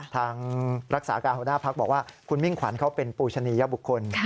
ทางรักษาการหัวหน้าพักบอกว่าคุณมิ่งขวัญเขาเป็นปูชนียบุคคล